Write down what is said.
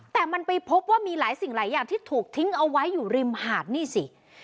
แต่มันไปพบว่ามีหลายสิ่งหลายอย่างที่ถูกทิ้งเอาไว้อยู่ริมหาดนี่สิ